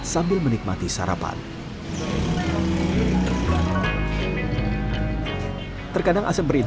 sambil menikmati sarapan